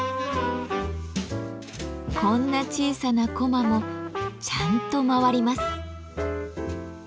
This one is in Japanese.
こんな小さなこまもちゃんと回ります。